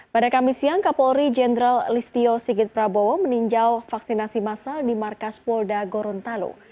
pada kamis siang kapolri jenderal listio sigit prabowo meninjau vaksinasi masal di markas polda gorontalo